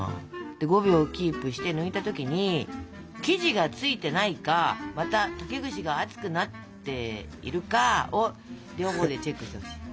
で５秒キープして抜いた時に生地がついてないかまた竹串が熱くなっているかを両方でチェックしてほしい。